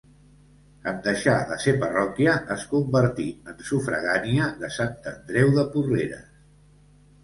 En deixar de ser parròquia, es convertí en sufragània de Sant Andreu de Porreres.